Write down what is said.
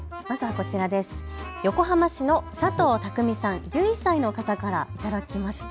横浜市の佐藤拓実さん、１１歳の方から頂きました。